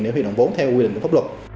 để huy động vốn theo quy định của pháp luật